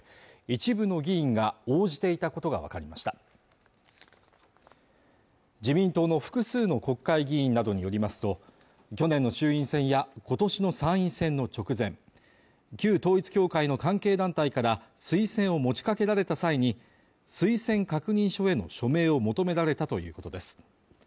一部の議員が応じていたことが分かりました自民党の複数の国会議員などによりますと去年の衆院選や今年の参院選の直前旧統一教会の関係団体から推薦を持ちかけられた際に推薦確認書への署名を求められたということです